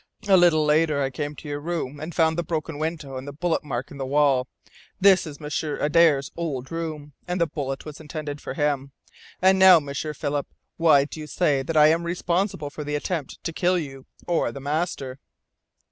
A little later I came to your room and found the broken window and the bullet mark in the wall. This is M'sieur Adare's old room, and the bullet was intended for him. And now, M'sieur Philip, why do you say that I am responsible for the attempt to kill you, or the master?"